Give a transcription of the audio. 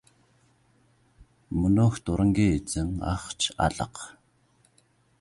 Мөнөөх дурангийн эзэн ах ч алга.